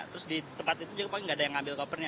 terus di tempat itu juga paling nggak ada yang ambil kopernya